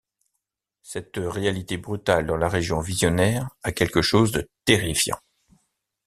Cette réalité brutale dans la région visionnaire a quelque chose de terrifiant.